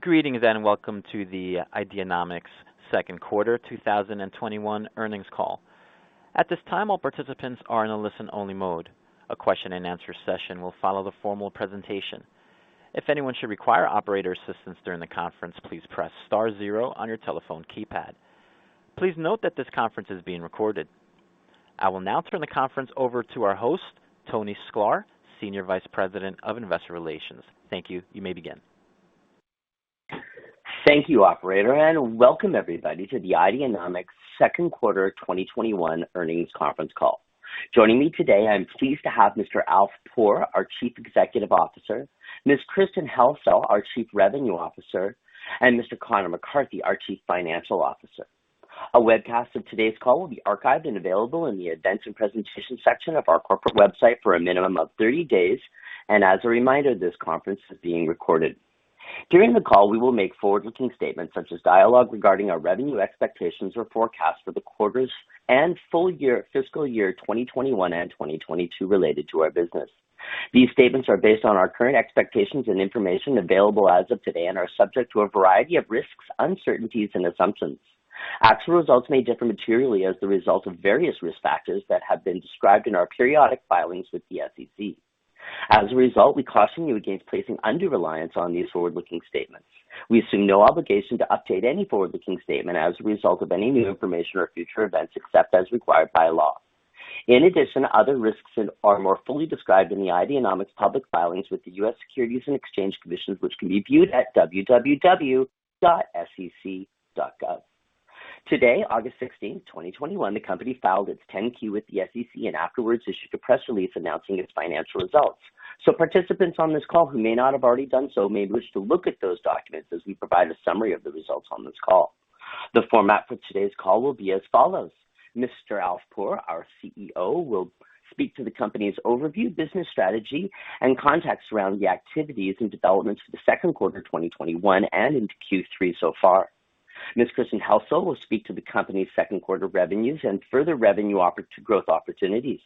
Greetings, and welcome to the Ideanomics second quarter 2021 earnings call. At this time, all participants are in a listen-only mode. A question-and-answer session will follow the formal presentation. If anyone should require operator assistance during the conference, please press star zero on your telephone keypad. Please note that this conference is being recorded. I will now turn the conference over to our host, Tony Sklar, Senior Vice President of Investor Relations. Thank you. You may begin. Thank you, operator. Welcome everybody to the Ideanomics second quarter 2021 earnings conference call. Joining me today, I am pleased to have Mr. Alf Poor, our Chief Executive Officer, Ms. Kristen Helsel, our Chief Revenue Officer, and Mr. Conor McCarthy, our Chief Financial Officer. A webcast of today's call will be archived and available in the events and presentations section of our corporate website for a minimum of 30 days. As a reminder, this conference is being recorded. During the call, we will make forward-looking statements, such as dialogue regarding our revenue expectations or forecasts for the quarters and full year fiscal year 2021 and 2022 related to our business. These statements are based on our current expectations and information available as of today and are subject to a variety of risks, uncertainties, and assumptions. Actual results may differ materially as the result of various risk factors that have been described in our periodic filings with the SEC. We caution you against placing undue reliance on these forward-looking statements. We assume no obligation to update any forward-looking statement as a result of any new information or future events, except as required by law. Other risks are more fully described in the Ideanomics public filings with the U.S. Securities and Exchange Commission, which can be viewed at www.sec.gov. Today, August 16th, 2021, the company filed its Form 10-Q with the SEC, and afterwards issued a press release announcing its financial results. Participants on this call who may not have already done so may wish to look at those documents as we provide a summary of the results on this call. The format for today's call will be as follows. Mr. Alf Poor, our CEO, will speak to the company's overview, business strategy, and context around the activities and developments for the second quarter 2021 and into Q3 so far. Ms. Kristen Helsel will speak to the company's second quarter revenues and further revenue growth opportunities.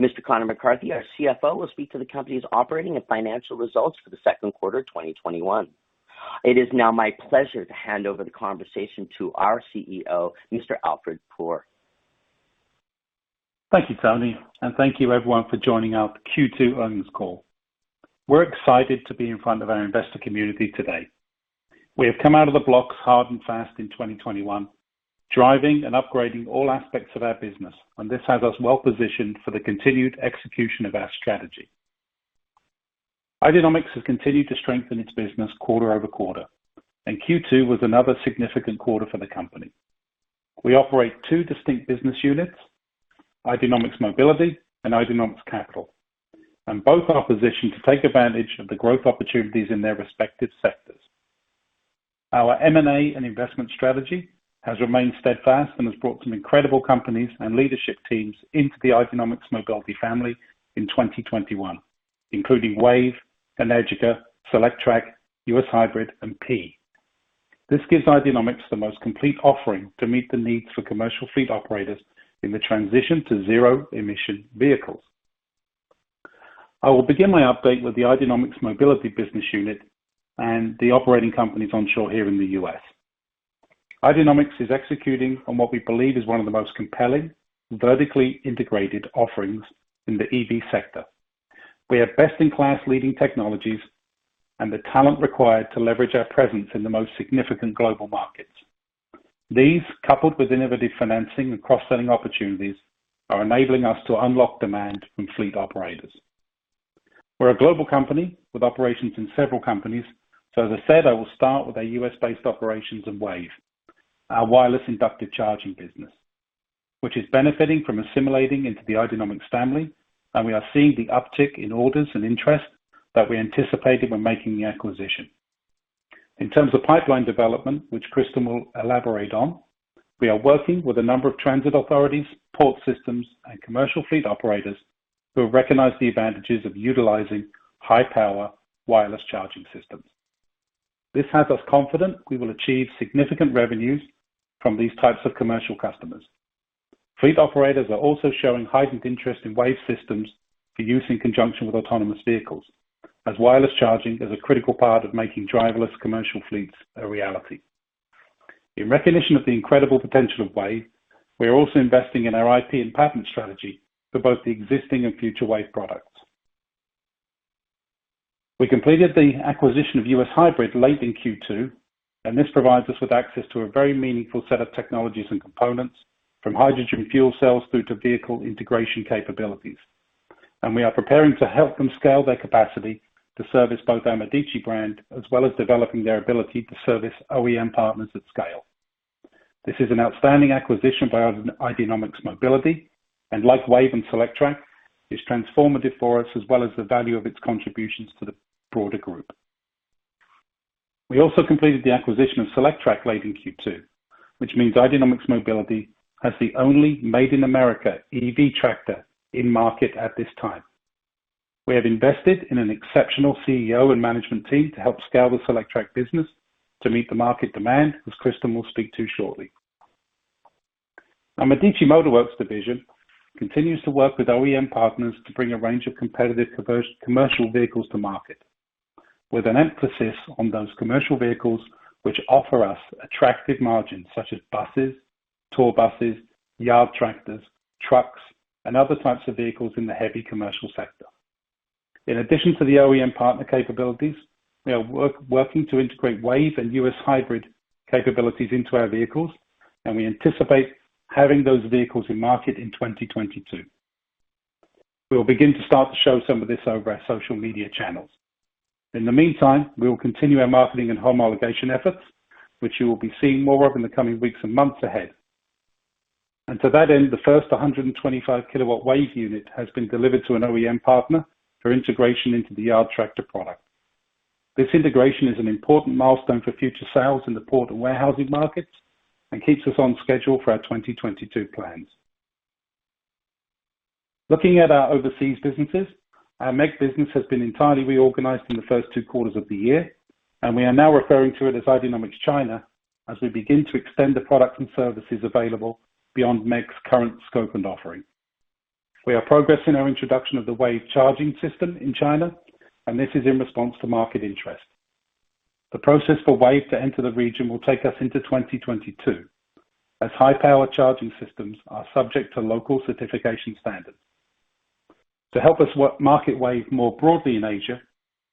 Mr. Conor McCarthy, our CFO, will speak to the company's operating and financial results for the second quarter 2021. It is now my pleasure to hand over the conversation to our CEO, Mr. Alf Poor. Thank you, Tony, and thank you everyone for joining our Q2 earnings call. We're excited to be in front of our investor community today. We have come out of the blocks hard and fast in 2021, driving and upgrading all aspects of our business, and this has us well-positioned for the continued execution of our strategy. Ideanomics has continued to strengthen its business quarter over quarter, and Q2 was another significant quarter for the company. We operate two distinct business units, Ideanomics Mobility and Ideanomics Capital, and both are positioned to take advantage of the growth opportunities in their respective sectors. Our M&A and investment strategy has remained steadfast and has brought some incredible companies and leadership teams into the Ideanomics Mobility family in 2021, including WAVE, Energica, Solectrac, U.S. Hybrid, and PEA. This gives Ideanomics the most complete offering to meet the needs for commercial fleet operators in the transition to zero-emission vehicles. I will begin my update with the Ideanomics Mobility business unit and the operating companies onshore here in the U.S. Ideanomics is executing on what we believe is one of the most compelling vertically integrated offerings in the EV sector. We have best-in-class leading technologies and the talent required to leverage our presence in the most significant global markets. These, coupled with innovative financing and cross-selling opportunities, are enabling us to unlock demand from fleet operators. We're a global company with operations in several companies. As I said, I will start with our U.S.-based operations and WAVE, our wireless inductive charging business, which is benefiting from assimilating into the Ideanomics family, and we are seeing the uptick in orders and interest that we anticipated when making the acquisition. In terms of pipeline development, which Kristen will elaborate on, we are working with a number of transit authorities, port systems, and commercial fleet operators who have recognized the advantages of utilizing high-power wireless charging systems. This has us confident that we will achieve significant revenues from these types of commercial customers. Fleet operators are also showing heightened interest in WAVE systems for use in conjunction with autonomous vehicles, as wireless charging is a critical part of making driverless commercial fleets a reality. In recognition of the incredible potential of WAVE, we are also investing in our IP and patent strategy for both the existing and future WAVE products. We completed the acquisition of U.S. Hybrid late in Q2, and this provides us with access to a very meaningful set of technologies and components, from hydrogen fuel cells through to vehicle integration capabilities. We are preparing to help them scale their capacity to service both our Medici brand, as well as developing their ability to service OEM partners at scale. This is an outstanding acquisition by Ideanomics Mobility, and like WAVE and Solectrac, it is transformative for us as well as the value of its contributions to the broader group. We also completed the acquisition of Solectrac late in Q2, which means Ideanomics Mobility has the only Made in America EV tractor in market at this time. We have invested in an exceptional CEO and management team to help scale the Solectrac business to meet the market demand, which Kristen will speak to shortly. Our Medici Motor Works division continues to work with OEM partners to bring a range of competitive commercial vehicles to market, with an emphasis on those commercial vehicles which offer us attractive margins, such as buses, tour buses, yard tractors, trucks, and other types of vehicles in the heavy commercial sector. In addition to the OEM partner capabilities, we are working to integrate WAVE and U.S. Hybrid capabilities into our vehicles, and we anticipate having those vehicles in market in 2022. We will begin to start to show some of this over our social media channels. In the meantime, we will continue our marketing and homologation efforts, which you will be seeing more of in the coming weeks and months ahead. To that end, the first 125 kW WAVE unit has been delivered to an OEM partner for integration into the yard tractor product. This integration is an important milestone for future sales in the port and warehousing markets and keeps us on schedule for our 2022 plans. Looking at our overseas businesses, our MEG business has been entirely reorganized in the first two quarters of the year, and we are now referring to it as Ideanomics China as we begin to extend the products and services available beyond MEG's current scope and offering. We are progressing our introduction of the WAVE charging system in China, and this is in response to market interest. The process for WAVE to enter the region will take us into 2022, as high-power charging systems are subject to local certification standards. To help us market WAVE more broadly in Asia,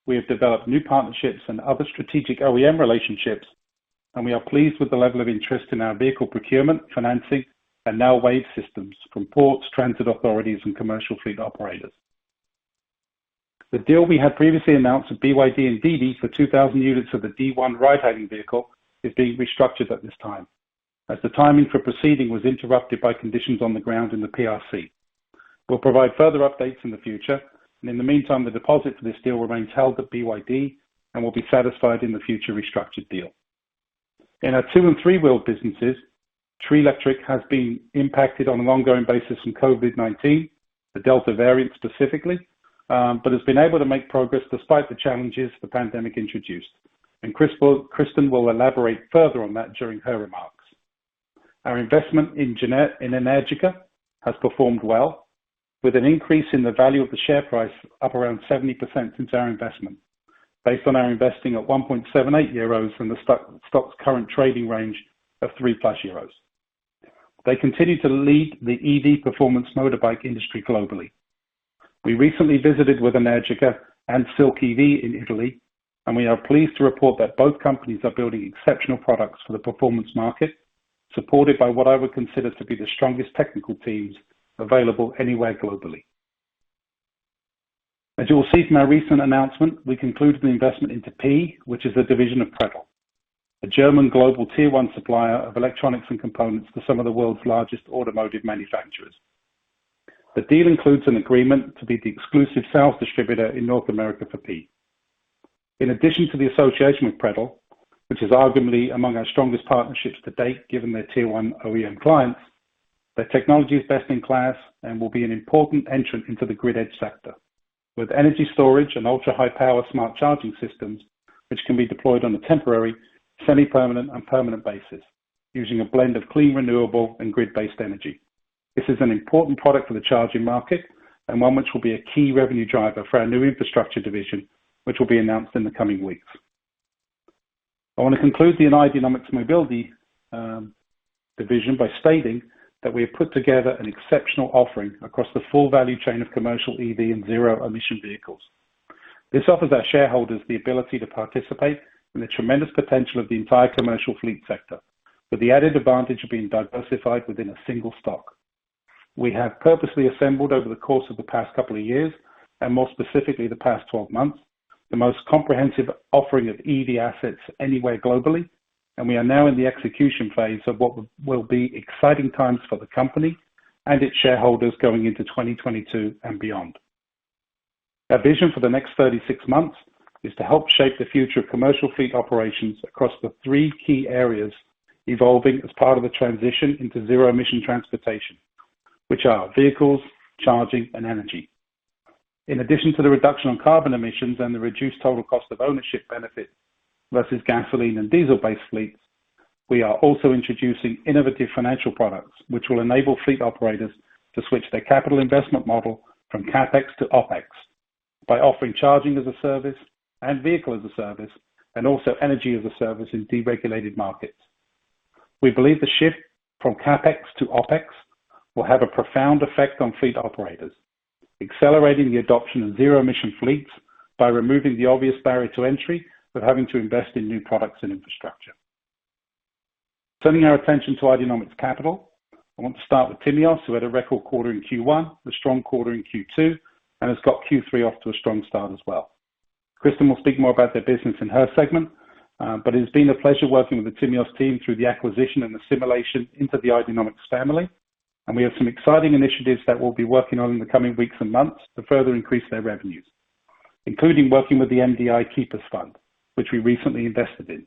we have developed new partnerships and other strategic OEM relationships. We are pleased with the level of interest in our vehicle procurement, financing, and now WAVE systems from ports, transit authorities, and commercial fleet operators. The deal we had previously announced with BYD and DiDi for 2,000 units of the D1 ride-hailing vehicle is being restructured at this time, as the timing for proceeding was interrupted by conditions on the ground in the PRC. We'll provide further updates in the future. In the meantime, the deposit for this deal remains held at BYD and will be satisfied in the future restructured deal. In our two and three-wheeled businesses, Treeletrik has been impacted on an ongoing basis from COVID-19, the Delta variant specifically, has been able to make progress despite the challenges the pandemic introduced. Kristen will elaborate further on that during her remarks. Our investment in Energica has performed well, with an increase in the value of the share price up around 70% since our investment, based on our investing at 1.78 euros from the stock's current trading range of 3+ euros. They continue to lead the EV performance motorbike industry globally. We recently visited with Energica and Silk EV in Italy. We are pleased to report that both companies are building exceptional products for the performance market, supported by what I would consider to be the strongest technical teams available anywhere globally. As you will see from our recent announcement, we concluded the investment into PEA, which is a division of Preh, a German global tier 1 supplier of electronics and components to some of the world's largest automotive manufacturers. The deal includes an agreement to be the exclusive sales distributor in North America for PEA. In addition to the association with Preh, which is arguably among our strongest partnerships to date, given their tier 1 OEM clients, their technology is best in class and will be an important entrant into the grid edge sector with energy storage and ultra-high power smart charging systems, which can be deployed on a temporary, semi-permanent, and permanent basis using a blend of clean, renewable, and grid-based energy. This is an important product for the charging market and one which will be a key revenue driver for our new infrastructure division, which will be announced in the coming weeks. I want to conclude the Ideanomics Mobility division by stating that we have put together an exceptional offering across the full value chain of commercial EV and zero-emission vehicles. This offers our shareholders the ability to participate in the tremendous potential of the entire commercial fleet sector, with the added advantage of being diversified within a single stock. We have purposely assembled over the course of the past couple of years, and more specifically the past 12 months, the most comprehensive offering of EV assets anywhere globally, and we are now in the execution phase of what will be exciting times for the company and its shareholders going into 2022 and beyond. Our vision for the next 36 months is to help shape the future of commercial fleet operations across the three key areas evolving as part of the transition into zero-emission transportation, which are vehicles, charging, and energy. In addition to the reduction on carbon emissions and the reduced total cost of ownership benefit versus gasoline and diesel-based fleets, we are also introducing innovative financial products, which will enable fleet operators to switch their capital investment model from CapEx to OpEx by offering charging as a service and vehicle as a service, also energy as a service in deregulated markets. We believe the shift from CapEx to OpEx will have a profound effect on fleet operators, accelerating the adoption of zero-emission fleets by removing the obvious barrier to entry of having to invest in new products and infrastructure. Turning our attention to Ideanomics Capital, I want to start with Timios, who had a record quarter in Q1, a strong quarter in Q2, has got Q3 off to a strong start as well. Kristen will speak more about their business in her segment. It has been a pleasure working with the Timios team through the acquisition and assimilation into the Ideanomics family. We have some exciting initiatives that we'll be working on in the coming weeks and months to further increase their revenues, including working with the MDI Keepers Fund, which we recently invested in.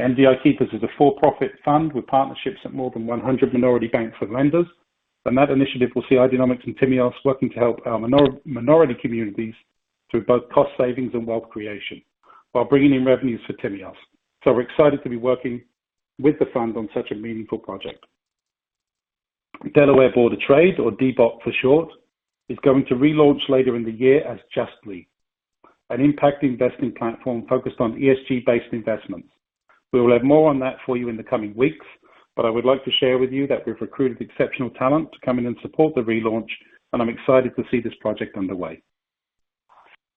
MDI Keepers is a for-profit fund with partnerships at more than 100 minority banks and lenders. That initiative will see Ideanomics and Timios working to help our minority communities through both cost savings and wealth creation, while bringing in revenues for Timios. We're excited to be working with the fund on such a meaningful project. Delaware Board of Trade, or DBOT for short, is going to relaunch later in the year as Justly, an impact investing platform focused on ESG-based investments. We will have more on that for you in the coming weeks, but I would like to share with you that we've recruited exceptional talent to come in and support the relaunch, and I'm excited to see this project underway.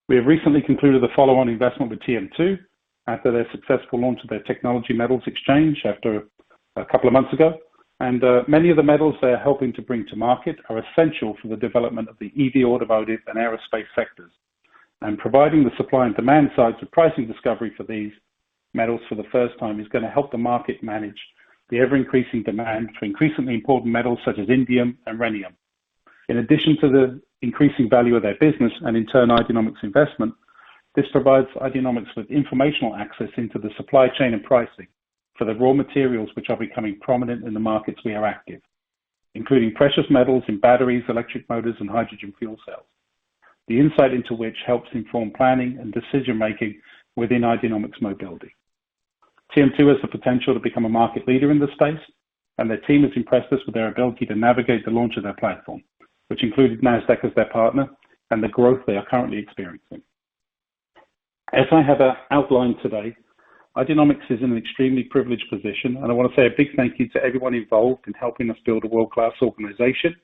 We have recently concluded the follow-on investment with TM2 after their successful launch of their technology metals exchange after a couple of months ago. Many of the metals they are helping to bring to market are essential for the development of the EV automotive and aerospace sectors. Providing the supply and demand sides of pricing discovery for these metals for the first time is going to help the market manage the ever-increasing demand for increasingly important metals such as indium and rhenium. In addition to the increasing value of their business and in turn, Ideanomics' investment, this provides Ideanomics with informational access into the supply chain and pricing for the raw materials, which are becoming prominent in the markets we are active, including precious metals in batteries, electric motors, and hydrogen fuel cells. The insight into which helps inform planning and decision-making within Ideanomics Mobility. TM2 has the potential to become a market leader in this space, and their team has impressed us with their ability to navigate the launch of their platform, which included Nasdaq as their partner, and the growth they are currently experiencing. As I have outlined today, Ideanomics is in an extremely privileged position, and I want to say a big thank you to everyone involved in helping us build a world-class organization.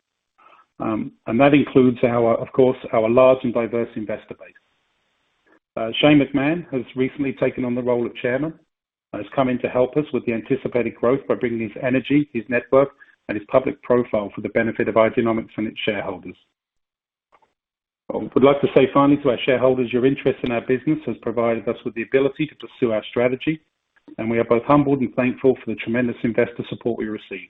That includes, of course, our large and diverse investor base. Shane McMahon has recently taken on the role of chairman and has come in to help us with the anticipated growth by bringing his energy, his network, and his public profile for the benefit of Ideanomics and its shareholders. I would like to say, finally to our shareholders, your interest in our business has provided us with the ability to pursue our strategy, and we are both humbled and thankful for the tremendous investor support we receive.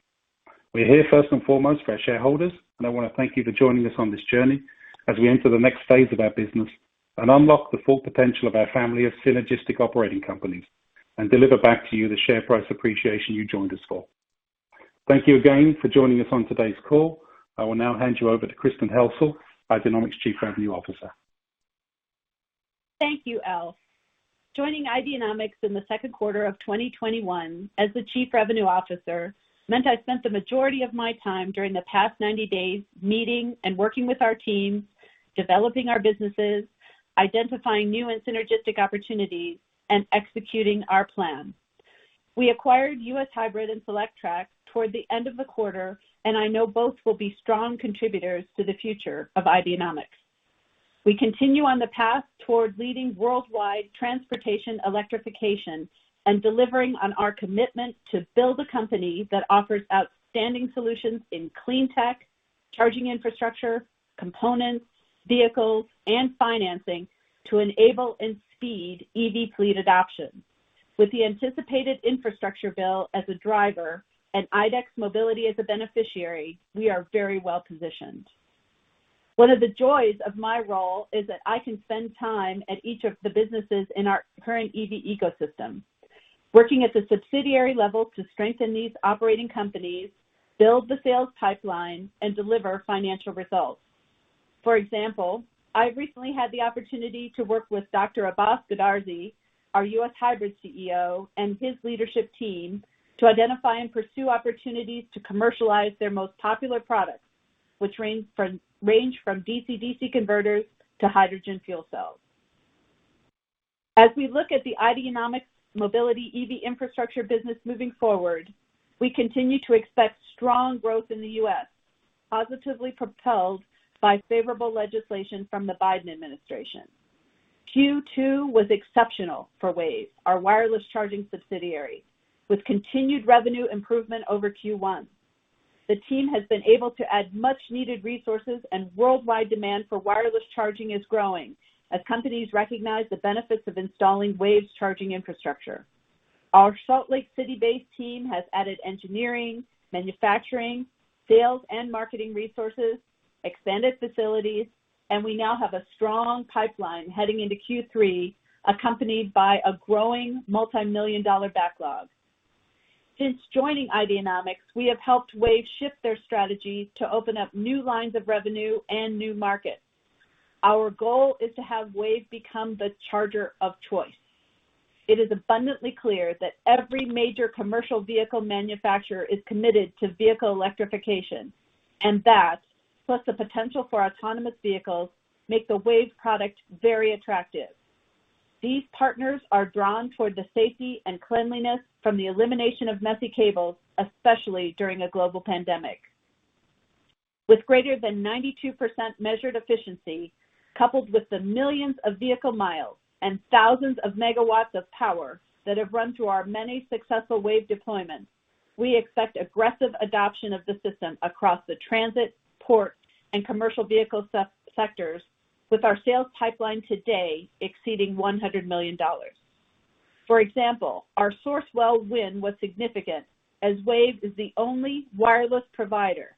We're here first and foremost for our shareholders, and I want to thank you for joining us on this journey as we enter the next phase of our business, unlock the full potential of our family of synergistic operating companies, and deliver back to you the share price appreciation you joined us for. Thank you again for joining us on today's call. I will now hand you over to Kristen Helsel, Ideanomics Chief Revenue Officer. Thank you, Alf. Joining Ideanomics in the second quarter of 2021 as the Chief Revenue Officer meant I spent the majority of my time during the past 90 days meeting and working with our teams, developing our businesses, identifying new and synergistic opportunities, and executing our plan. We acquired U.S. Hybrid and Solectrac toward the end of the quarter, and I know both will be strong contributors to the future of Ideanomics. We continue on the path toward leading worldwide transportation electrification and delivering on our commitment to build a company that offers outstanding solutions in clean tech, charging infrastructure, components, vehicles, and financing to enable and speed EV fleet adoption. With the anticipated infrastructure bill as a driver and Ideanomics Mobility as a beneficiary, we are very well-positioned. One of the joys of my role is that I can spend time at each of the businesses in our current EV ecosystem, working at the subsidiary level to strengthen these operating companies, build the sales pipeline, and deliver financial results. I recently had the opportunity to work with Dr. Abas Goodarzi, our U.S. Hybrid CEO, and his leadership team to identify and pursue opportunities to commercialize their most popular products, which range from DC-DC converters to hydrogen fuel cells. As we look at the Ideanomics Mobility EV infrastructure business moving forward, we continue to expect strong growth in the U.S., positively propelled by favorable legislation from the Biden administration. Q2 was exceptional for WAVE, our wireless charging subsidiary, with continued revenue improvement over Q1. The team has been able to add much-needed resources, and worldwide demand for wireless charging is growing as companies recognize the benefits of installing WAVE's charging infrastructure. Our Salt Lake City-based team has added engineering, manufacturing, sales, and marketing resources, expanded facilities, and we now have a strong pipeline heading into Q3, accompanied by a growing multimillion-dollar backlog. Since joining Ideanomics, we have helped WAVE shift their strategy to open up new lines of revenue and new markets. Our goal is to have WAVE become the charger of choice. It is abundantly clear that every major commercial vehicle manufacturer is committed to vehicle electrification, and that, plus the potential for autonomous vehicles, makes the WAVE product very attractive. These partners are drawn toward the safety and cleanliness from the elimination of messy cables, especially during a global pandemic. With greater than 92% measured efficiency, coupled with the millions of vehicle miles and thousands of megawatts of power that have run through our many successful WAVE deployments, we expect aggressive adoption of the system across the transit, port, and commercial vehicle sectors, with our sales pipeline today exceeding $100 million. For example, our Sourcewell win was significant as WAVE is the only wireless provider.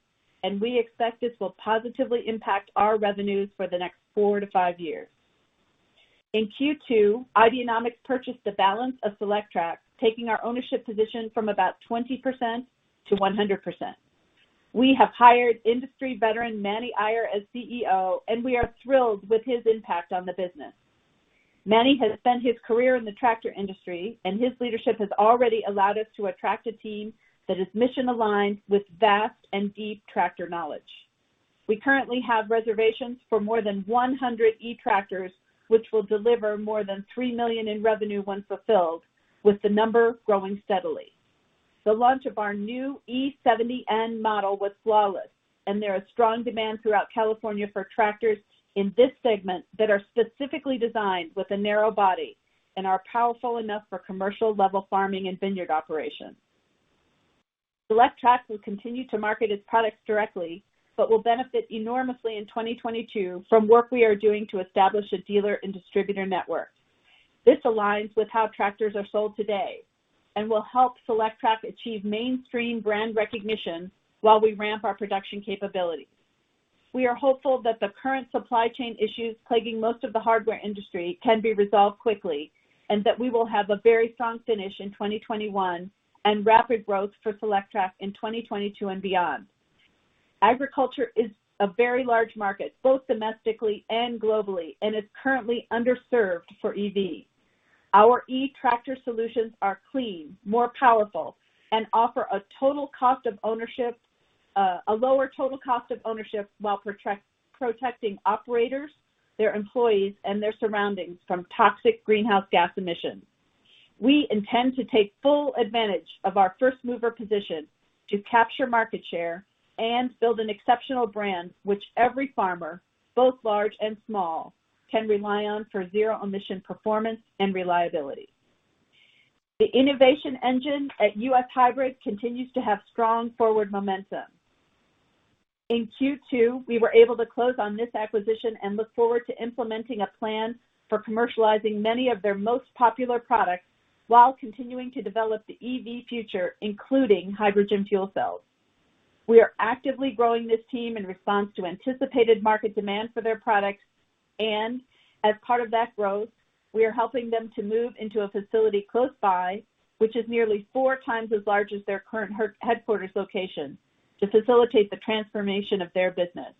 We expect this will positively impact our revenues for the next four to five years. In Q2, Ideanomics purchased the balance of Solectrac, taking our ownership position from about 20%-100%. We have hired industry veteran Mani Iyer as CEO. We are thrilled with his impact on the business. Mani has spent his career in the tractor industry. His leadership has already allowed us to attract a team that is mission-aligned with vast and deep tractor knowledge. We currently have reservations for more than 100 e-tractors, which will deliver more than $3 million in revenue once fulfilled, with the number growing steadily. The launch of our new e70N model was flawless, and there is strong demand throughout California for tractors in this segment that are specifically designed with a narrow body and are powerful enough for commercial-level farming and vineyard operations. Solectrac will continue to market its products directly, but will benefit enormously in 2022 from the work we are doing to establish a dealer and distributor network. This aligns with how tractors are sold today and will help Solectrac achieve mainstream brand recognition while we ramp our production capabilities. We are hopeful that the current supply chain issues plaguing most of the hardware industry can be resolved quickly, that we will have a very strong finish in 2021 and rapid growth for Solectrac in 2022 and beyond. Agriculture is a very large market, both domestically and globally, and is currently underserved for EV. Our e-tractor solutions are clean, more powerful, and offer a lower total cost of ownership while protecting operators, their employees, and their surroundings from toxic greenhouse gas emissions. We intend to take full advantage of our first-mover position to capture market share and build an exceptional brand which every farmer, both large and small, can rely on for zero-emission performance and reliability. The innovation engine at U.S. Hybrid continues to have strong forward momentum. In Q2, we were able to close on this acquisition and look forward to implementing a plan for commercializing many of their most popular products while continuing to develop the EV future, including hydrogen fuel cells. We are actively growing this team in response to anticipated market demand for their products, and as part of that growth, we are helping them to move into a facility close by, which is nearly four times as large as their current headquarters location, to facilitate the transformation of their business.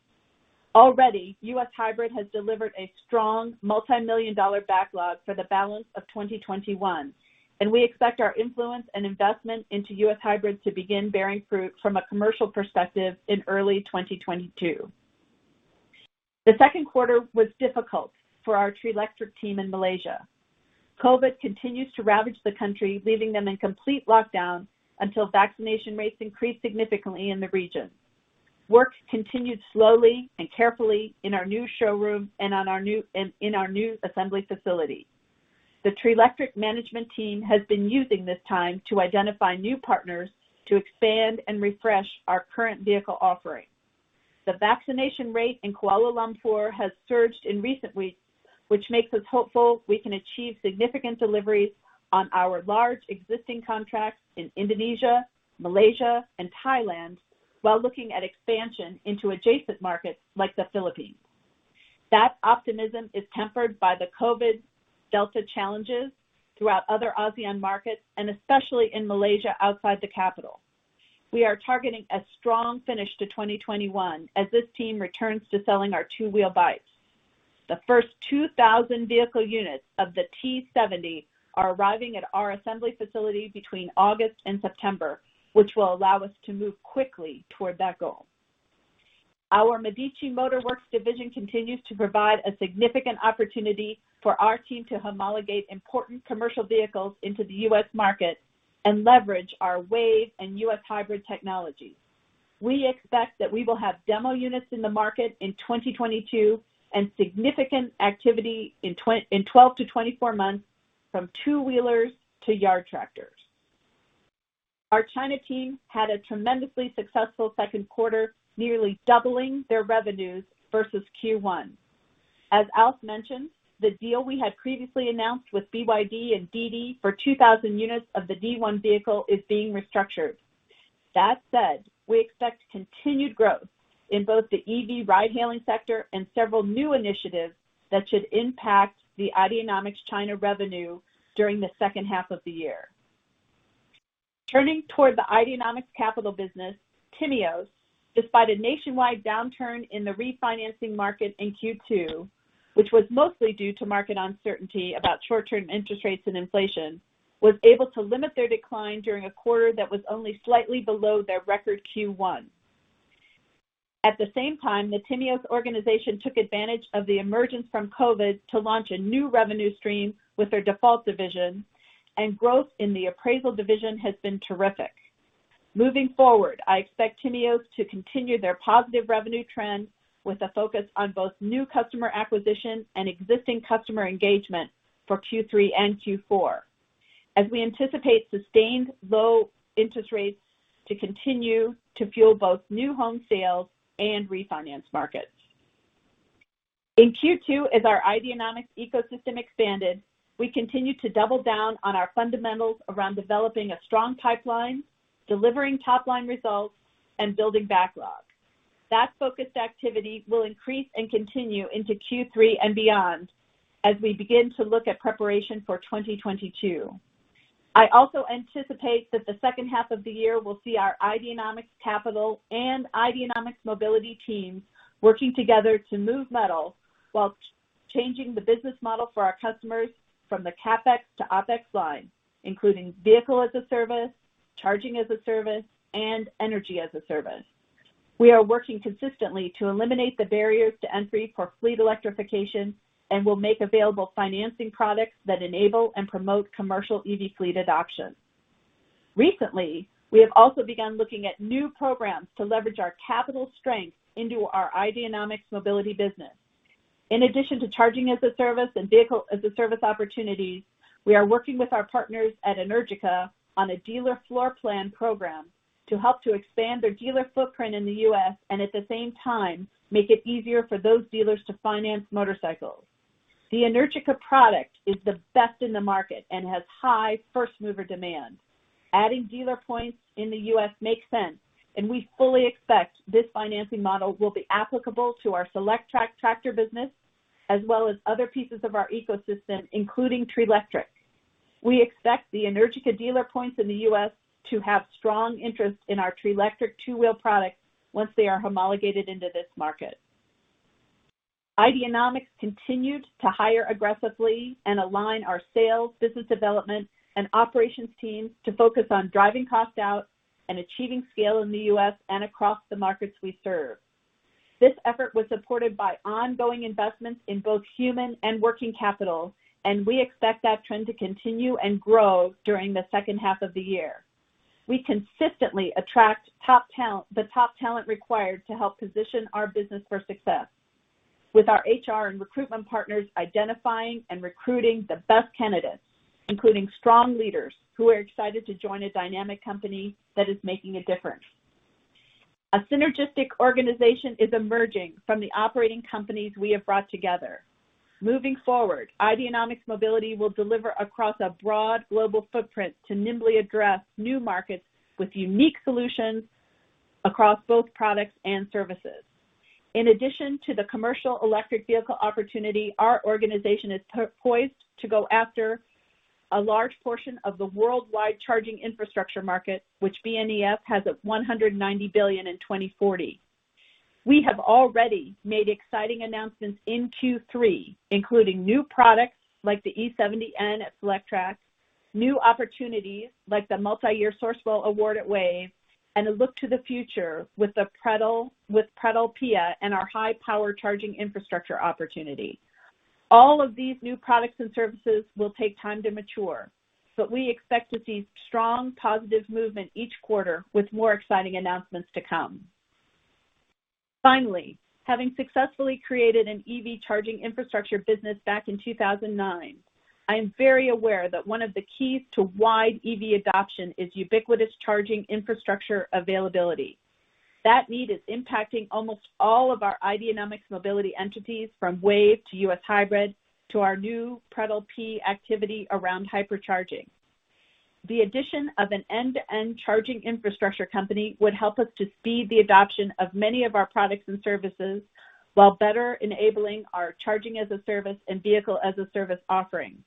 Already, U.S. Hybrid has delivered a strong multimillion-dollar backlog for the balance of 2021, and we expect our influence and investment into U.S. Hybrid to begin bearing fruit from a commercial perspective in early 2022. The second quarter was difficult for our Treeletrik team in Malaysia. COVID continues to ravage the country, leaving them in complete lockdown until vaccination rates increase significantly in the region. Work continued slowly and carefully in our new showroom and in our new assembly facility. The Treeletrik management team has been using this time to identify new partners to expand and refresh our current vehicle offerings. The vaccination rate in Kuala Lumpur has surged in recent weeks, which makes us hopeful we can achieve significant deliveries on our large existing contracts in Indonesia, Malaysia, and Thailand while looking at expansion into adjacent markets like the Philippines. That optimism is tempered by the COVID Delta challenges throughout other ASEAN markets and especially in Malaysia, outside the capital. We are targeting a strong finish to 2021 as this team returns to selling our two-wheel bikes. The first 2,000 vehicle units of the T70 are arriving at our assembly facility between August and September, which will allow us to move quickly toward that goal. Our Medici Motor Works division continues to provide a significant opportunity for our team to homologate important commercial vehicles into the U.S. market and leverage our WAVE and U.S. Hybrid technologies. We expect that we will have demo units in the market in 2022 and significant activity in 12 to 24 months, from two-wheelers to yard tractors. Our China team had a tremendously successful second quarter, nearly doubling their revenues versus Q1. As Alf mentioned, the deal we had previously announced with BYD and DiDi for 2,000 units of the D1 vehicle is being restructured. That said, we expect continued growth in both the EV ride-hailing sector and several new initiatives that should impact the Ideanomics China revenue during the second half of the year. Turning toward the Ideanomics Capital business, Timios, despite a nationwide downturn in the refinancing market in Q2, which was mostly due to market uncertainty about short-term interest rates and inflation, was able to limit their decline during a quarter that was only slightly below their record Q1. At the same time, the Timios organization took advantage of the emergence from COVID-19 to launch a new revenue stream with their default division, and growth in the appraisal division has been terrific. Moving forward, I expect Timios to continue their positive revenue trends with a focus on both new customer acquisition and existing customer engagement for Q3 and Q4 as we anticipate sustained low interest rates to continue to fuel both new home sales and refinance markets. In Q2, as our Ideanomics ecosystem expanded, we continued to double down on our fundamentals around developing a strong pipeline, delivering top-line results, and building backlog. That focused activity will increase and continue into Q3 and beyond as we begin to look at preparation for 2022. I also anticipate that the second half of the year will see our Ideanomics Capital and Ideanomics Mobility teams working together to move metal while changing the business model for our customers from the CapEx to OpEx line, including vehicle as a service, charging as a service, and energy as a service. We are working consistently to eliminate the barriers to entry for fleet electrification and will make available financing products that enable and promote commercial EV fleet adoption. Recently, we have also begun looking at new programs to leverage our capital strength into our Ideanomics Mobility business. In addition to charging as a service and vehicle as a service opportunities, we are working with our partners at Energica on a dealer floor plan program to help to expand their dealer footprint in the U.S. and, at the same time, make it easier for those dealers to finance motorcycles. The Energica product is the best in the market and has high first-mover demand. Adding dealer points in the U.S. makes sense, and we fully expect this financing model will be applicable to our Solectrac tractor business, as well as other pieces of our ecosystem, including Treeletrik. We expect the Energica dealer points in the U.S. to have strong interest in our Treeletrik two-wheel products once they are homologated into this market. Ideanomics continued to hire aggressively and aligned our sales, business development, and operations teams to focus on driving costs out and achieving scale in the U.S. and across the markets we serve. This effort was supported by ongoing investments in both human and working capital, and we expect that trend to continue and grow during the second half of the year. We consistently attract the top talent required to help position our business for success. With our HR and recruitment partners identifying and recruiting the best candidates, including strong leaders who are excited to join a dynamic company that is making a difference. A synergistic organization is emerging from the operating companies we have brought together. Moving forward, Ideanomics Mobility will deliver across a broad global footprint to nimbly address new markets with unique solutions across both products and services. In addition to the commercial electric vehicle opportunity, our organization is poised to go after a large portion of the worldwide charging infrastructure market, which BNEF has at $190 billion in 2040. We have already made exciting announcements in Q3, including new products like the e70N at Solectrac, new opportunities like the multi-year Sourcewell award at WAVE, and a look to the future with Preh PEA and our high-power charging infrastructure opportunity. All of these new products and services will take time to mature, but we expect to see strong positive movement each quarter with more exciting announcements to come. Having successfully created an EV charging infrastructure business back in 2009, I am very aware that one of the keys to wide EV adoption is ubiquitous charging infrastructure availability. That need is impacting almost all of our Ideanomics Mobility entities, from WAVE to U.S. Hybrid to our new Preh PEA activity around hypercharging. The addition of an end-to-end charging infrastructure company would help us to speed the adoption of many of our products and services while better enabling our charging-as-a-service and vehicle-as-a-service offerings.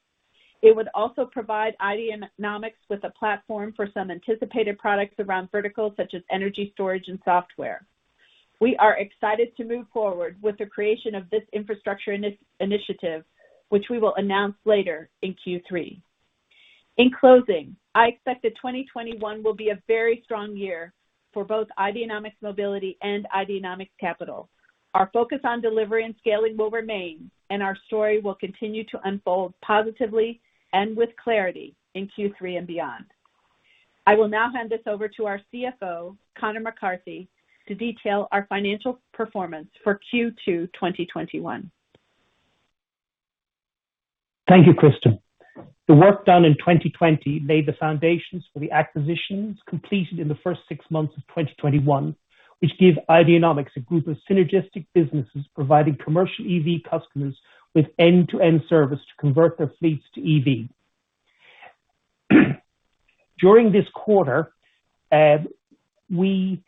It would also provide Ideanomics with a platform for some anticipated products around verticals such as energy storage and software. We are excited to move forward with the creation of this infrastructure initiative, which we will announce later in Q3. In closing, I expect that 2021 will be a very strong year for both Ideanomics Mobility and Ideanomics Capital. Our focus on delivery and scaling will remain, and our story will continue to unfold positively and with clarity in Q3 and beyond. I will now hand this over to our CFO, Conor McCarthy, to detail our financial performance for Q2 2021. Thank you, Kristen. The work done in 2020 laid the foundations for the acquisitions completed in the first six months of 2021, which gave Ideanomics a group of synergistic businesses providing commercial EV customers with end-to-end service to convert their fleets to EV. During this quarter, we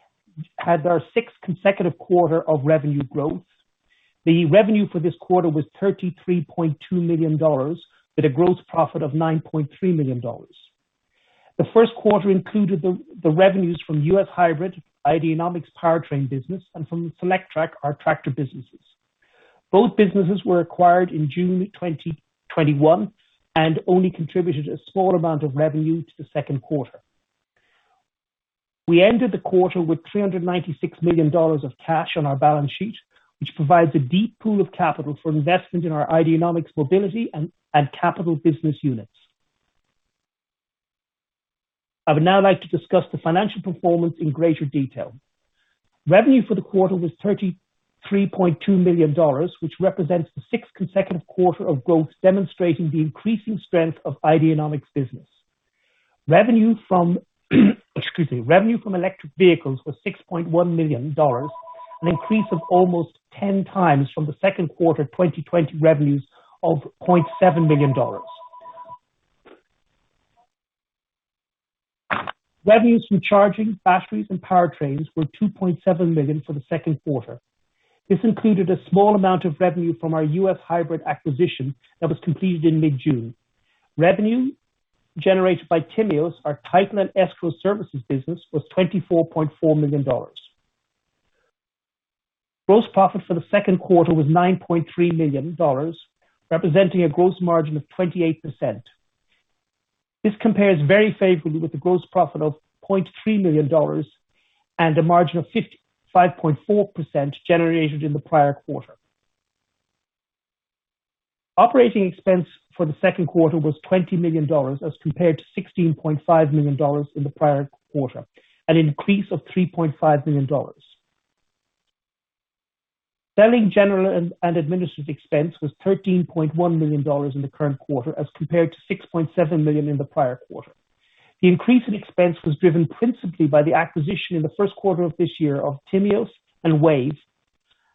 had our sixth consecutive quarter of revenue growth. The revenue for this quarter was $33.2 million, with a gross profit of $9.3 million. The first quarter included the revenues from U.S. Hybrid, Ideanomics' powertrain business, and from Solectrac, our tractor business. Both businesses were acquired in June 2021 and only contributed a small amount of revenue to the second quarter. We ended the quarter with $396 million of cash on our balance sheet, which provides a deep pool of capital for investment in our Ideanomics Mobility and Ideanomics Capital business units. I would now like to discuss the financial performance in greater detail. Revenue for the quarter was $33.2 million, which represents the sixth consecutive quarter of growth, demonstrating the increasing strength of Ideanomics' business. Revenue from electric vehicles was $6.1 million, an increase of almost ten times from the second quarter 2020 revenues of $0.7 million. Revenues from charging, batteries, and powertrains were $2.7 million for the second quarter. This included a small amount of revenue from our U.S. Hybrid acquisition that was completed in mid-June. Revenue generated by Timios, our title and escrow services business, was $24.4 million. Gross profit for the second quarter was $9.3 million, representing a gross margin of 28%. This compares very favorably with the gross profit of $0.3 million and a margin of 55.4% generated in the prior quarter. Operating expense for the second quarter was $20 million as compared to $16.5 million in the prior quarter, an increase of $3.5 million. Selling, general, and administrative expense was $13.1 million in the current quarter as compared to $6.7 million in the prior quarter. The increase in expense was driven principally by the acquisition in the first quarter of this year of Timios and WAVE,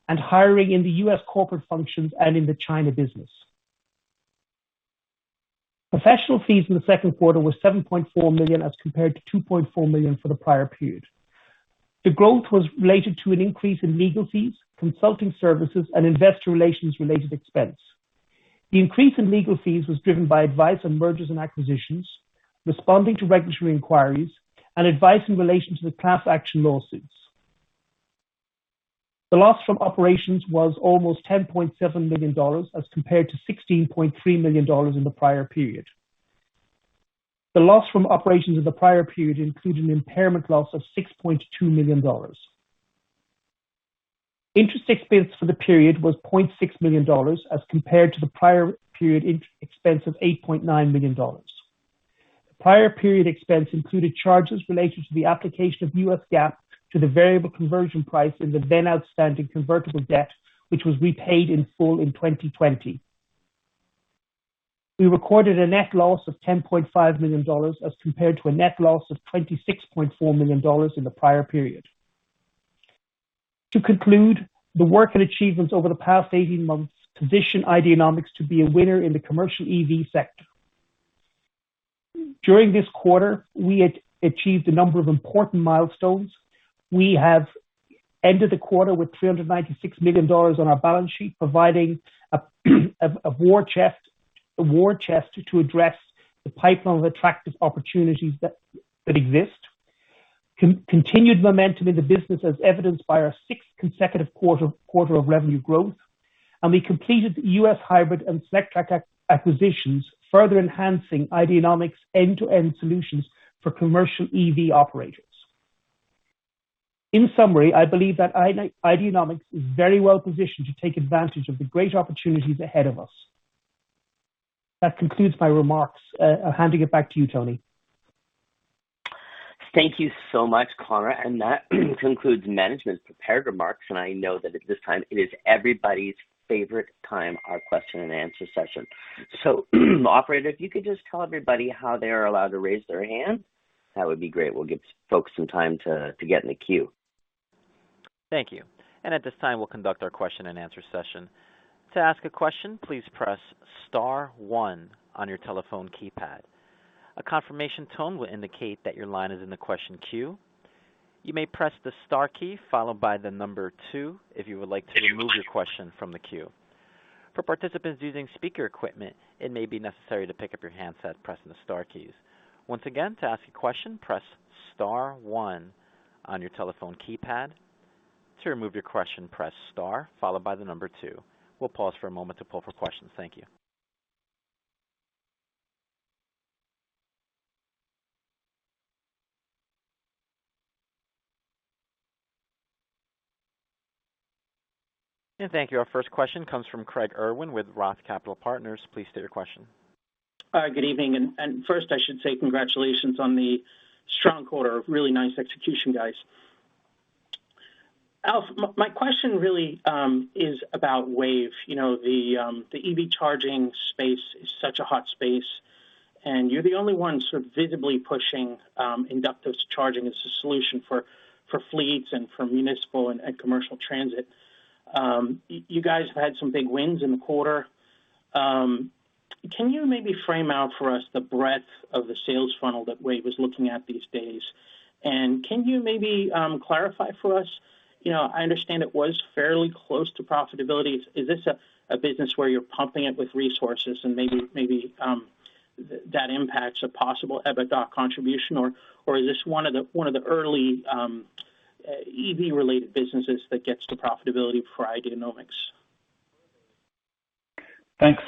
and hiring in the U.S. corporate functions and in the China business. Professional fees in the second quarter were $7.4 million as compared to $2.4 million for the prior period. The growth was related to an increase in legal fees, consulting services, and investor relations-related expenses. The increase in legal fees was driven by advice on mergers and acquisitions, responding to regulatory inquiries, and advice in relation to the class action lawsuits. The loss from operations was almost $10.7 million as compared to $16.3 million in the prior period. The loss from operations in the prior period included an impairment loss of $6.2 million. Interest expense for the period was $0.6 million as compared to the prior period expense of $8.9 million. Prior period expense included charges related to the application of US GAAP to the variable conversion price in the then-outstanding convertible debt, which was repaid in full in 2020. We recorded a net loss of $10.5 million as compared to a net loss of $26.4 million in the prior period. To conclude, the work and achievements over the past 18 months position Ideanomics to be a winner in the commercial EV sector. During this quarter, we achieved a number of important milestones. We have ended the quarter with $396 million on our balance sheet, providing a war chest to address the pipeline of attractive opportunities that exist. Continued momentum in the business, as evidenced by our sixth consecutive quarter of revenue growth. We completed the U.S. Hybrid and Solectrac acquisitions, further enhancing Ideanomics' end-to-end solutions for commercial EV operators. In summary, I believe that Ideanomics is very well positioned to take advantage of the great opportunities ahead of us. That concludes my remarks. Handing it back to you, Tony. Thank you so much, Conor. That concludes management's prepared remarks. I know that at this time, it is everybody's favorite time, our question and answer session. Operator, if you could just tell everybody how they are allowed to raise their hand, that would be great. We'll give folks some time to get in the queue. Thank you. At this time, we'll conduct our question-and-answer session. To ask a question, please press star one on your telephone keypad. A confirmation tone will indicate that your line is in the question queue. You may press the star key followed by two if you would like to remove your question from the queue. For participants using speaker equipment, it may be necessary to pick up your handset by pressing the star keys. Once again, to ask a question, press star one on your telephone keypad. To remove your question, press star followed by two. We'll pause for a moment to pull for questions. Thank you. Thank you. Our first question comes from Craig Irwin with Roth Capital Partners. Please state your question. Good evening. First, I should say congratulations on the strong quarter. Really nice execution, guys. Alf, my question really is about WAVE. The EV charging space is such a hot space, and you're the only ones visibly pushing inductive charging as a solution for fleets and for municipal and commercial transit. You guys have had some big wins in the quarter. Can you maybe frame out for us the breadth of the sales funnel that WAVE is looking at these days? Can you maybe clarify for us? I understand it was fairly close to profitability. Is this a business where you're pumping it with resources and maybe that impacts a possible EBITDA contribution, or is this 1 of the early EV-related businesses that gets to profitability for Ideanomics? Thanks,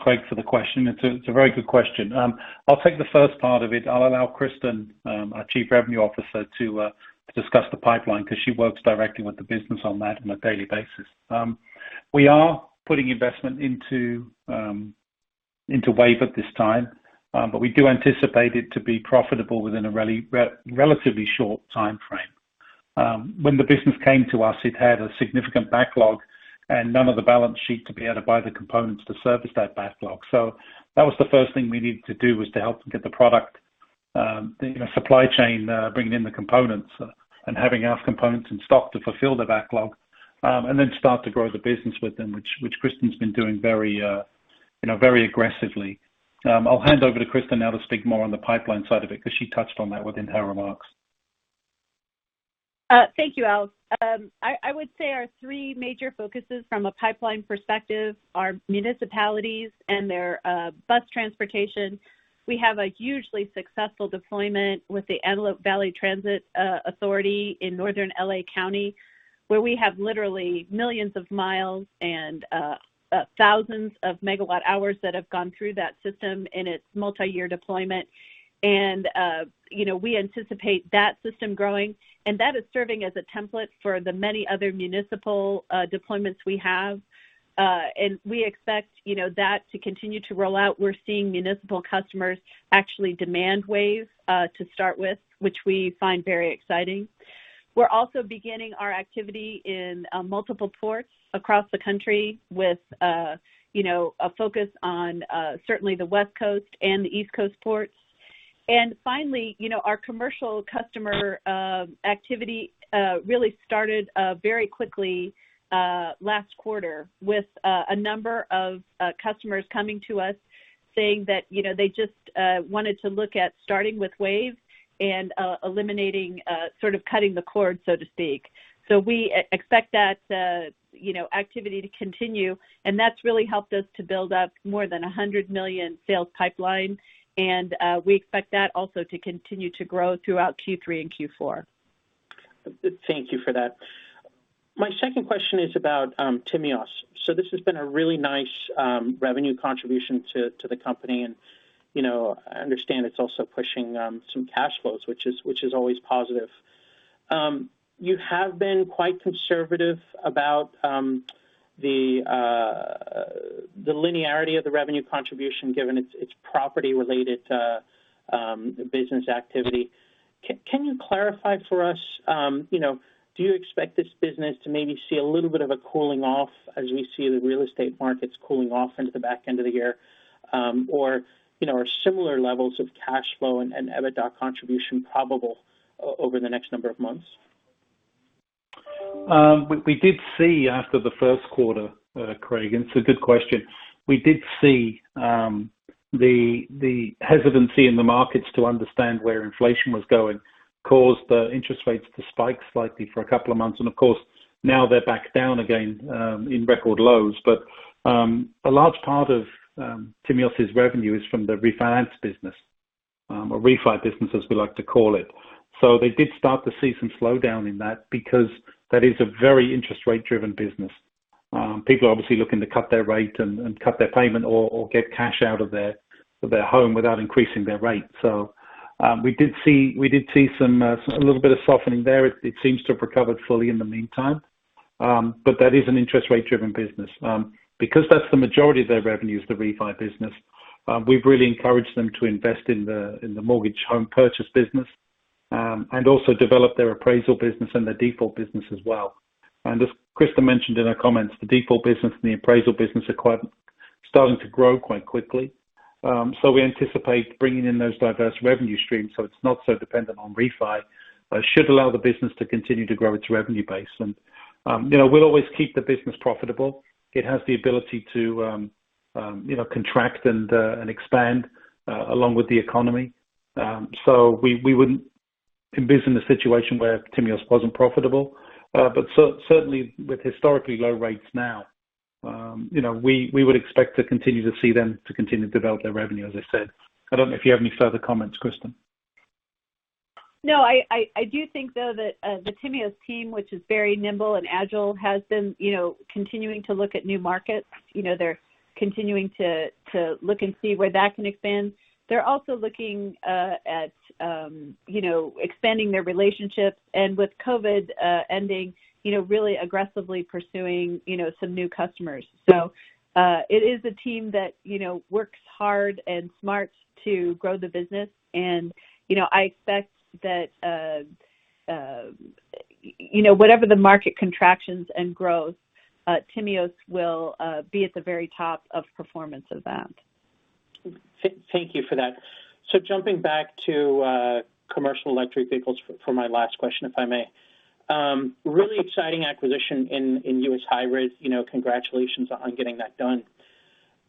Craig, for the question. It's a very good question. I'll take the first part of it. I'll allow Kristen, our Chief Revenue Officer, to discuss the pipeline because she works directly with the business on that on a daily basis. We are putting investment into WAVE at this time, but we do anticipate it to be profitable within a relatively short timeframe. When the business came to us, it had a significant backlog and none of the balance sheet to be able to buy the components to service that backlog. That was the first thing we needed to do, was to help get the product, the supply chain, bringing in the components, and having enough components in stock to fulfill the backlog, and then start to grow the business with them, which Kristen's been doing, you know, very aggressively. I'll hand over to Kristen now to speak more on the pipeline side of it, because she touched on that within her remarks. Thank you, Alf. I would say our three major focuses from a pipeline perspective are municipalities and their bus transportation. We have a hugely successful deployment with the Antelope Valley Transit Authority in Northern L.A. County, where we have literally millions of miles and thousands of megawatt hours that have gone through that system in its multi-year deployment. We anticipate that system growing, and that is serving as a template for the many other municipal deployments we have. We expect that to continue to roll out. We're seeing municipal customers actually demand WAVE to start with, which we find very exciting. We're also beginning our activity in multiple ports across the country with a focus on the West Coast and the East Coast ports. Finally, our commercial customer activity really started very quickly last quarter with a number of customers coming to us saying that they just wanted to look at starting with WAVE and eliminating, sort of cutting the cord, so to speak. We expect that activity to continue, and that's really helped us to build up more than $100 million sales pipeline. We expect that also to continue to grow throughout Q3 and Q4. Thank you for that. My second question is about Timios. This has been a really nice revenue contribution to the company, and I understand it's also pushing some cash flows, which is always positive. You have been quite conservative about the linearity of the revenue contribution given its property-related business activity. Can you clarify for us, do you expect this business to maybe see a little bit of a cooling off as we see the real estate markets cooling off into the back end of the year? Are similar levels of cash flow and EBITDA contribution probable over the next number of months? We did see after the first quarter, Craig. It's a good question. We did see the hesitancy in the markets to understand where inflation was going, which caused the interest rates to spike slightly for two months. Of course, now they're back down again in record lows. A large part of Timios' revenue is from the refinance business, or refi business as we like to call it. They did start to see some slowdown in that because that is a very interest rate-driven business. People are obviously looking to cut their rate and cut their payment or get cash out of their home without increasing their rate. We did see a little bit of softening there. It seems to have recovered fully in the meantime. That is an interest rate-driven business. Because that's the majority of their revenue is the refi business, we've really encouraged them to invest in the mortgage home purchase business, and also develop their appraisal business and their default business as well. As Kristen mentioned in her comments, the default business and the appraisal business are starting to grow quite quickly. We anticipate bringing in those diverse revenue streams so it's not so dependent on refi, but should allow the business to continue to grow its revenue base. We'll always keep the business profitable. It has the ability to contract and expand along with the economy. We wouldn't envision a situation where Timios wasn't profitable. Certainly, with historically low rates now, we would expect to continue to see them to continue to develop their revenue, as I said. I don't know if you have any further comments, Kristen. I do think, though that the Timios team, which is very nimble and agile, has been continuing to look at new markets. They're continuing to look and see where that can expand. They're also looking at expanding their relationships, and with COVID-19 ending, really aggressively pursuing some new customers. It is a team that works hard and smart to grow the business, and I expect that whatever the market contractions and growth, Timios will be at the very top of performance of that. Thank you for that. Jumping back to commercial electric vehicles for my last question, if I may. Really exciting acquisition in U.S. Hybrid. Congratulations on getting that done.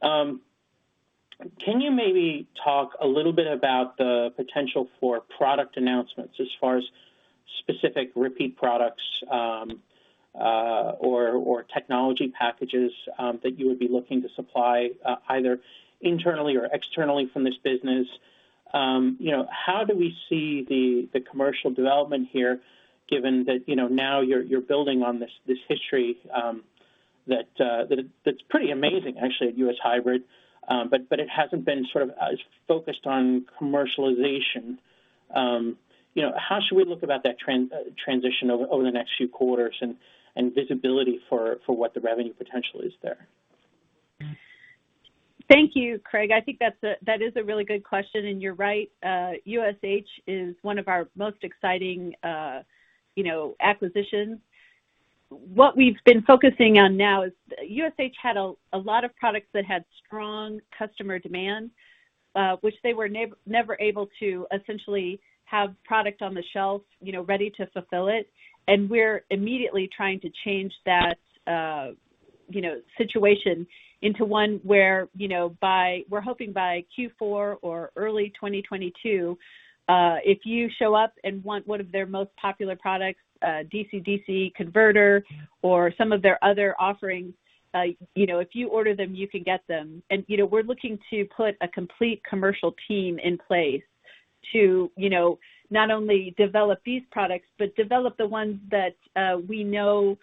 Can you maybe talk a little bit about the potential for product announcements as far as specific repeat products or technology packages that you would be looking to supply, either internally or externally from this business? How do we see the commercial development here, given that now you're building on this history that's pretty amazing, actually, at U.S. Hybrid, but it hasn't been as focused on commercialization. How should we look about that transition over the next few quarters and visibility for what the revenue potential is there? Thank you, Craig. I think that is a really good question, and you're right. USH is one of our most exciting acquisitions. What we've been focusing on now is USH had a lot of products that had strong customer demand, which they were never able to essentially have product on the shelf, ready to fulfill it. We're immediately trying to change that situation into one where we're hoping by Q4 or early 2022, if you show up and want one of their most popular products, a DC-DC converter or some of their other offerings, if you order them, you can get them. We're looking to put a complete commercial team in place to not only develop these products, but develop the ones that we know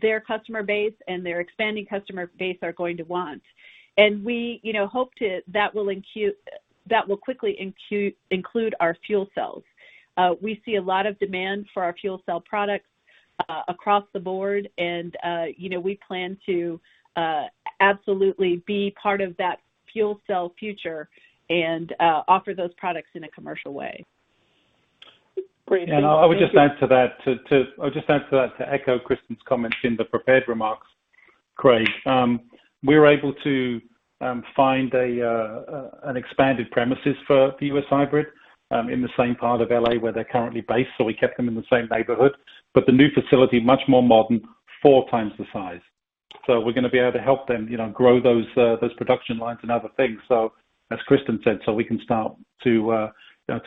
their customer base and their expanding customer base are going to want. We hope that will quickly include our fuel cells. We see a lot of demand for our fuel cell products across the board, and we plan to absolutely be part of that fuel cell future and offer those products in a commercial way. Great. Thank you. I would just add to that, to echo Kristen's comments in the prepared remarks, Craig. We were able to find an expanded premises for U.S. Hybrid in the same part of L.A. where they're currently based, so we kept them in the same neighborhood. The new facility is much more modern, four times the size. We're going to be able to help them grow those production lines and other things. As Kristen said, we can start to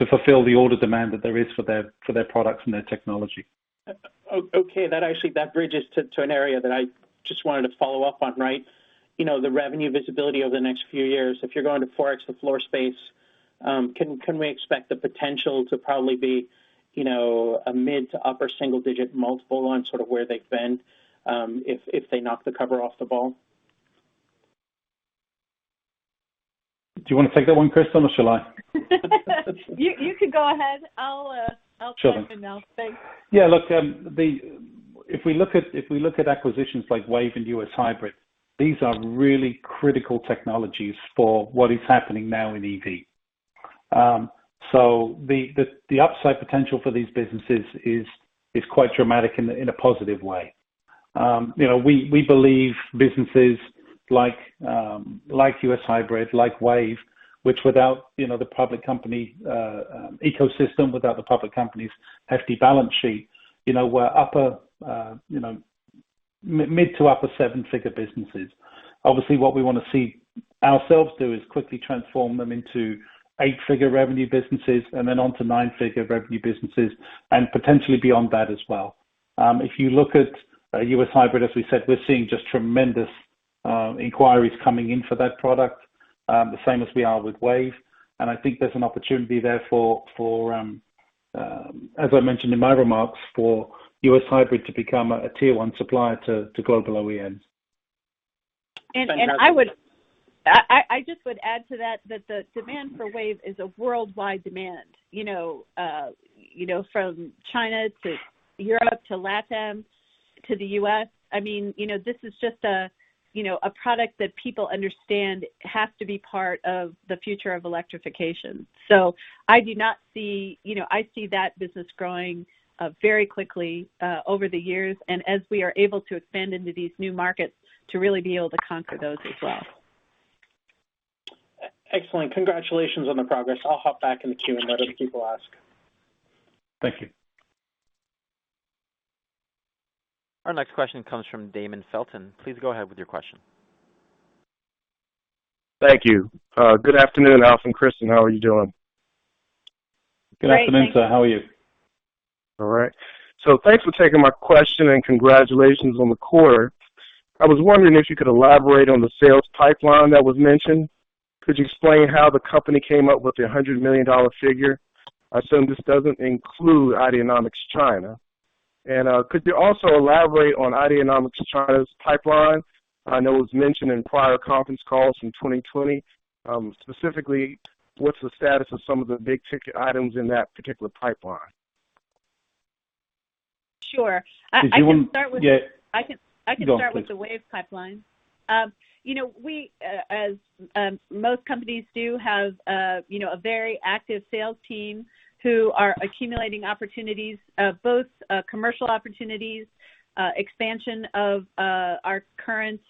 fulfill the order demand that there is for their products and their technology. That actually bridges to an area that I just wanted to follow up on. The revenue visibility over the next few years, if you're going to 4x the floor space, can we expect the potential to probably be a mid to upper single-digit multiple on sort of where they've been, if they knock the cover off the ball? Do you want to take that one, Kristen, or shall I? You can go ahead. Sure Chime in now. Thanks. Look, if we look at acquisitions like WAVE and U.S. Hybrid, these are really critical technologies for what is happening now in EV. The upside potential for these businesses is quite dramatic in a positive way. We believe businesses like U.S. Hybrid, like WAVE, which, without the public company ecosystem, without the public company's hefty balance sheet, were mid to upper seven-figure businesses. Obviously, what we want to see ourselves do is quickly transform them into eight-figure revenue businesses, and then onto nine-figure revenue businesses, and potentially beyond that as well. If you look at U.S. Hybrid, as we said, we're seeing just tremendous inquiries coming in for that product. The same as we are with WAVE. I think there's an opportunity there for, as I mentioned in my remarks, for U.S. Hybrid to become a tier 1 supplier to global OEMs. Fantastic. I would just add to that the demand for WAVE is a worldwide demand. From China to Europe to LATAM to the U.S. This is just a product that people understand has to be part of the future of electrification. I see that business growing very quickly over the years, and as we are able to expand into these new markets, to really be able to conquer those as well. Excellent. Congratulations on the progress. I'll hop back in the queue and let other people ask. Thank you. Our next question comes from Damon Felton. Please go ahead with your question. Thank you. Good afternoon, Alf and Kristen. How are you doing? Good afternoon, sir. Great. Thanks. How are you? All right. Thanks for taking my question, and congratulations on the quarter. I was wondering if you could elaborate on the sales pipeline that was mentioned. Could you explain how the company came up with the $100 million figure? I assume this doesn't include Ideanomics China. Could you also elaborate on Ideanomics China's pipeline? I know it was mentioned in prior conference calls from 2020. Specifically, what's the status of some of the big-ticket items in that particular pipeline? Sure. Did you? I can start with the- Go ahead, please. WAVE pipeline. We, as most companies do, have a very active sales team who are accumulating opportunities, both commercial opportunities, expansion of our current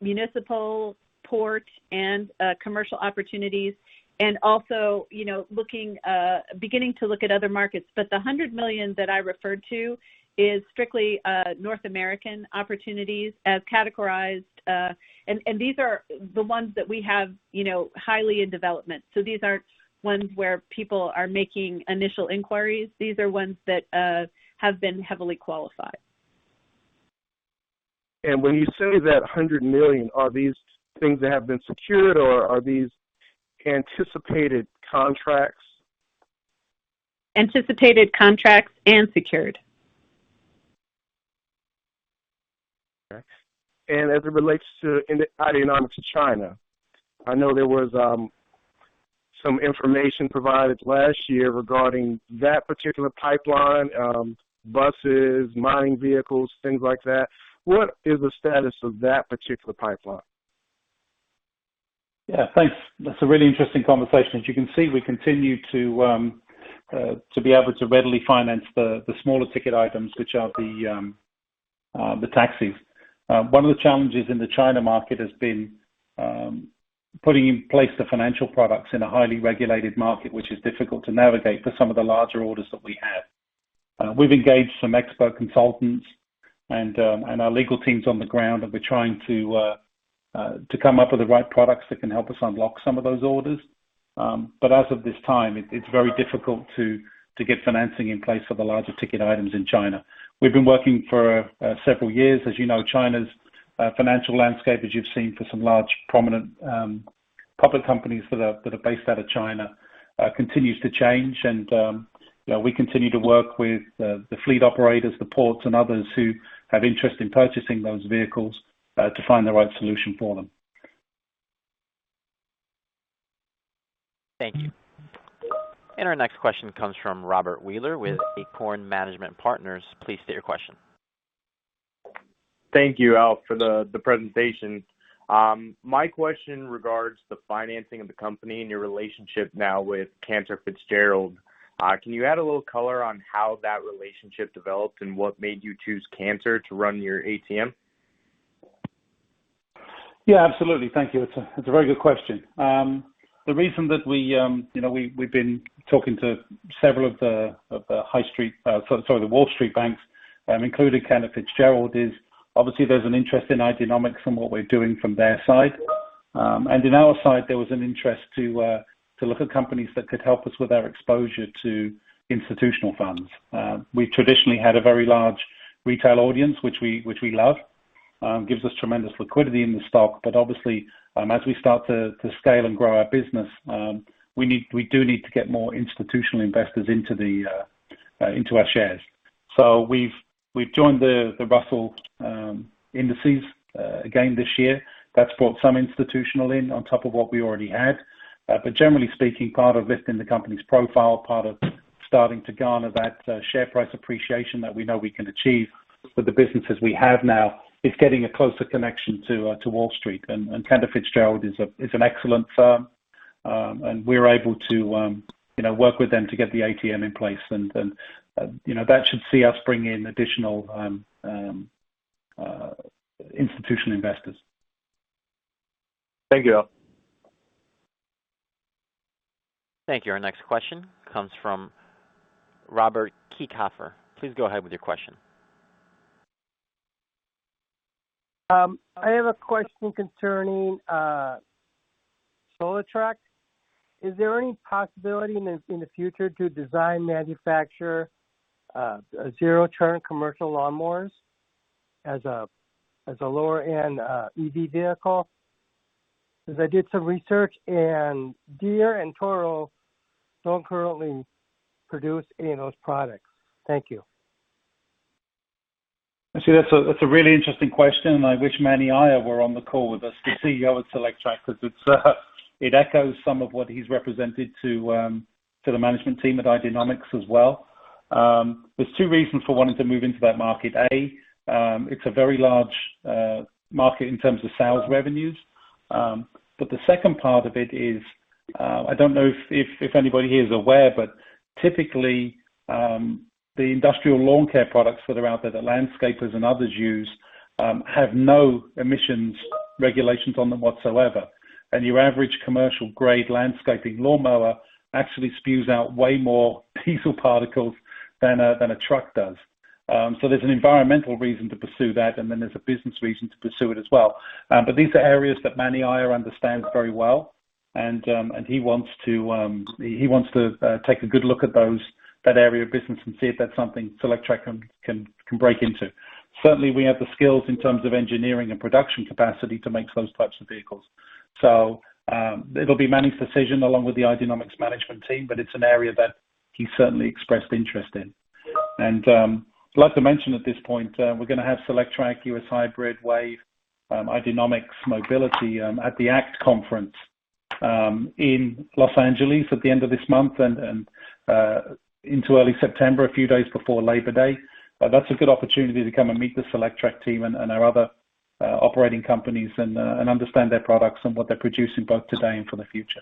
municipal port, and commercial opportunities, and also beginning to look at other markets. The $100 million that I referred to is strictly North American opportunities as categorized. These are the ones that we have highly in development. These aren't ones where people are making initial inquiries. These are ones that have been heavily qualified. When you say that $100 million, are these things that have been secured, or are these anticipated contracts? Anticipated contracts and secured. Okay. As it relates to Ideanomics China, I know there was some information provided last year regarding that particular pipeline, buses, mining vehicles, things like that. What is the status of that particular pipeline? Thanks. That's a really interesting conversation. As you can see, we continue to be able to readily finance the smaller-ticket items, which are the taxis. One of the challenges in the China market has been putting in place the financial products in a highly regulated market, which is difficult to navigate for some of the larger orders that we have. We've engaged some expert consultants and our legal teams on the ground, and we're trying to come up with the right products that can help us unlock some of those orders. As of this time, it's very difficult to get financing in place for the larger ticket items in China. We've been working for several years. As you know, China's financial landscape, as you've seen for some large prominent public companies that are based out of China, continues to change. We continue to work with the fleet operators, the ports, and others who have interest in purchasing those vehicles, to find the right solution for them. Thank you. Our next question comes from Bobby Wheeler with Acorn Management Partners. Please state your question. Thank you, Alf, for the presentation. My question regards the financing of the company and your relationship now with Cantor Fitzgerald. Can you add a little color on how that relationship developed and what made you choose Cantor to run your ATM? Absolutely. Thank you. It's a very good question. The reason that we've been talking to several of the Wall Street banks, including Cantor Fitzgerald, is obviously there's an interest in Ideanomics from what we're doing from their side. On our side, there was an interest to look at companies that could help us with our exposure to institutional funds. We traditionally had a very large retail audience, which we love. Gives us tremendous liquidity in the stock, but obviously, as we start to scale and grow our business, we do need to get more institutional investors into our shares. We've joined the Russell Indices again this year. That's brought some institutional in on top of what we already had. Generally speaking, part of lifting the company's profile, part of starting to garner that share price appreciation that we know we can achieve with the businesses we have now, is getting a closer connection to Wall Street. Cantor Fitzgerald is an excellent firm. We're able to work with them to get the ATM in place, and that should see us bring in additional institutional investors. Thank you, Alf. Thank you. Our next question comes from Robert Kiekhaefer. Please go ahead with your question. I have a question concerning Solectrac. Is there any possibility in the future to design, manufacture, zero-turn commercial lawnmowers as a lower-end EV vehicle? Because I did some research, and Deere and Toro don't currently produce any of those products. Thank you. Actually, that's a really interesting question, and I wish Mani Iyer were on the call with us, the CEO of Solectrac, because it echoes some of what he's represented to the management team at Ideanomics as well. There's two reasons for wanting to move into that market. A, it's a very large market in terms of sales revenues. The second part of it is, I don't know if anybody here is aware, but typically, the industrial lawn care products that are out there that landscapers and others use, have no emissions regulations on them whatsoever. Your average commercial-grade landscaping lawnmower actually spews out way more diesel particles than a truck does. There's an environmental reason to pursue that, and then there's a business reason to pursue it as well. These are areas that Mani Iyer understands very well and he wants to take a good look at that area of business and see if that's something Solectrac can break into. Certainly, we have the skills in terms of engineering and production capacity to make those types of vehicles. It'll be Mani's decision along with the Ideanomics management team, but it's an area that he certainly expressed interest in. I'd like to mention at this point, we're going to have Solectrac, U.S. Hybrid, WAVE, Ideanomics Mobility, at the ACT Conference, in Los Angeles at the end of this month and into early September, a few days before Labor Day. That's a good opportunity to come and meet the Solectrac team and our other operating companies and understand their products and what they're producing both today and for the future.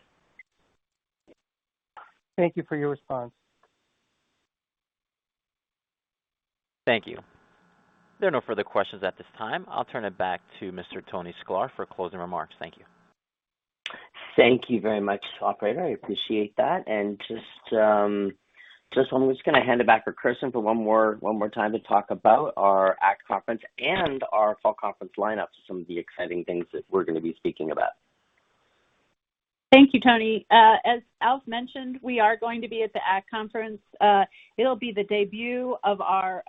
Thank you for your response. Thank you. There are no further questions at this time. I'll turn it back to Mr. Tony Sklar for closing remarks. Thank you. Thank you very much, operator. I appreciate that. I'm just going to hand it back to Kristen for one more time to talk about our ACT Conference and our fall conference lineup, some of the exciting things that we're going to be speaking about. Thank you, Tony. As Alf mentioned, we are going to be at the ACT Conference. It'll be the debut of our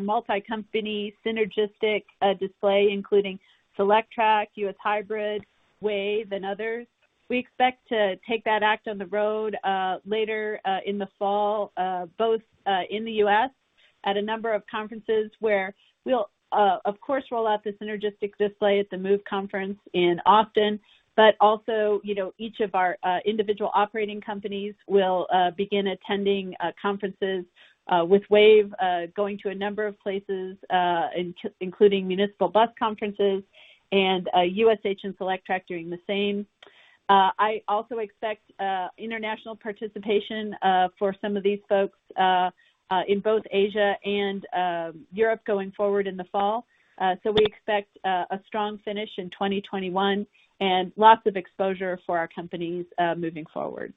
multi-company synergistic display, including Solectrac, U.S. Hybrid, WAVE, and others. We expect to take that act on the road later in the fall, both in the U.S. at a number of conferences where we'll, of course, roll out the synergistic display at the MOVE America in Austin. But also, each of our individual operating companies will begin attending conferences, with WAVE going to a number of places, including municipal bus conferences, and USH and Solectrac doing the same. I also expect international participation for some of these folks in both Asia and Europe going forward in the fall. We expect a strong finish in 2021 and lots of exposure for our companies moving forward.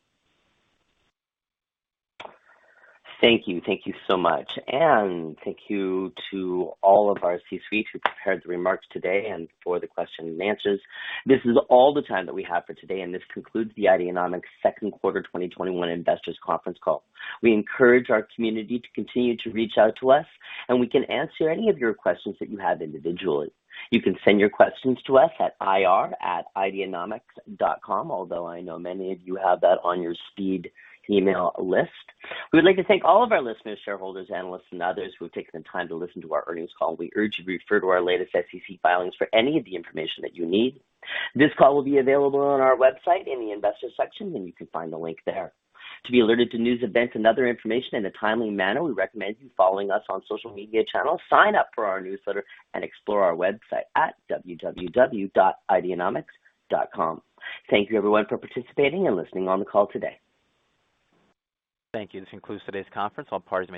Thank you. Thank you so much. Thank you to all of our C-suite who prepared the remarks today, and for the questions-and-answers. This is all the time that we have for today, and this concludes the Ideanomics second quarter 2021 investors conference call. We encourage our community to continue to reach out to us, and we can answer any of your questions that you have individually. You can send your questions to us at ir@ideanomics.com, although I know many of you have that on your speed email list. We would like to thank all of our listeners, shareholders, analysts, and others who have taken the time to listen to our earnings call. We urge you to refer to our latest SEC filings for any of the information that you need. This call will be available on our website in the investors section, and you can find the link there. To be alerted to news events and other information in a timely manner, we recommend you follow us on social media channels, sign up for our newsletter, and explore our website at www.ideanomics.com. Thank you everyone for participating and listening on the